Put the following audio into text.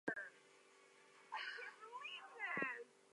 Airline service from Bellingham had a modest beginning.